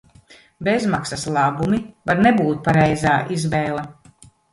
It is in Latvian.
Bezmaksas labumi var nebūt pareizā izvēle.